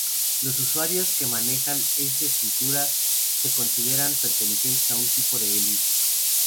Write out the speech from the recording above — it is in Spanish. Los usuarios que manejan esta escritura se consideran pertenecientes a un tipo de "elite".